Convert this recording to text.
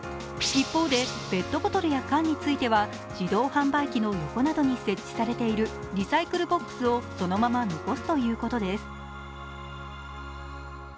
一方で、ペットボトルや缶については自動販売機の横などに設置されているリサイクルボックスをそのまま残すということです。